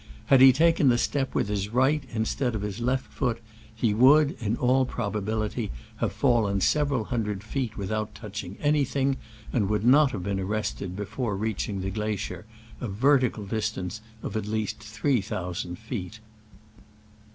Had he taken the step with his right instead of his left foot, he would, in all probability, have fallen several hundred feet without touching anything, and would not have been ar rested before reaching the glacier, a ver tical distance of at least three thousand feet.